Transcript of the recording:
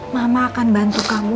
mama akan bantu kamu